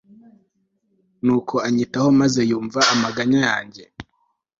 nuko anyitaho maze yumva amaganya yanjye